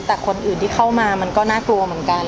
แต่คนอื่นที่เข้ามามันก็น่ากลัวเหมือนกัน